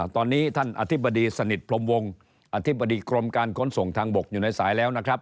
ตอนนี้ท่านอธิบดีสนิทพรมวงอธิบดีกรมการขนส่งทางบกอยู่ในสายแล้วนะครับ